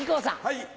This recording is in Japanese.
はい。